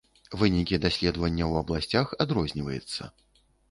Вынікі даследавання ў абласцях адрозніваецца.